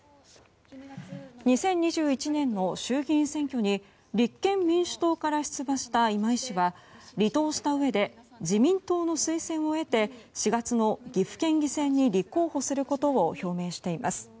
２０２１年の衆議院選挙に立憲民主党から出馬した今井氏は、離党したうえで自民党の推薦を得て４月の岐阜県議選に立候補することを表明しています。